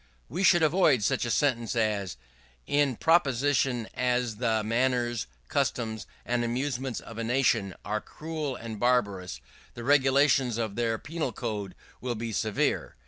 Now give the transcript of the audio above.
We should avoid such a sentence as: "In proportion as the manners, customs, and amusements of a nation are cruel and barbarous, the regulations of their penal code will be severe."